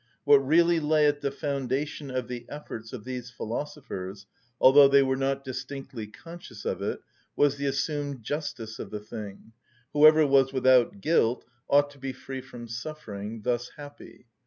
What really lay at the foundation of the efforts of these philosophers, although they were not distinctly conscious of it, was the assumed justice of the thing; whoever was without guilt ought to be free from suffering, thus happy.